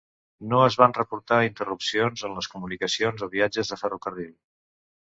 No es van reportar interrupcions en les comunicacions o viatges de ferrocarril.